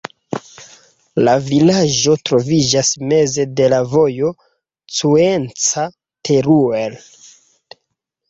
La vilaĝo troviĝas meze de la vojo Cuenca-Teruel.